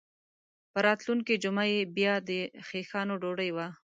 په راتلونکې جمعه یې بیا د خیښانو ډوډۍ وه.